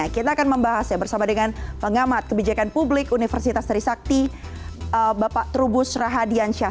nah kita akan membahas bersama dengan pengamat kebijakan publik universitas seri sakti bapak trubus rahadian syah